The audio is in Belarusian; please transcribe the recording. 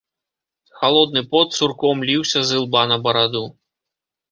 Халодны пот цурком ліўся з ілба на бараду.